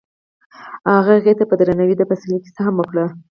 هغه هغې ته په درناوي د پسرلی کیسه هم وکړه.